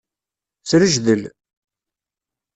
Srejdel.